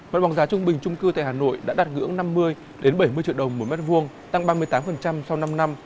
mặt bằng giá trung bình trung cư tại hà nội đã đạt ngưỡng năm mươi bảy mươi triệu đồng một mét vuông tăng ba mươi tám so với mức giá năm hai nghìn một mươi năm